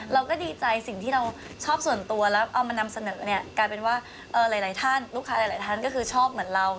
เราก็ดีใจสิ่งที่เราชอบส่วนตัวแล้วเอามานำเสนอเนี่ยกลายเป็นว่าหลายท่านลูกค้าหลายท่านก็คือชอบเหมือนเรา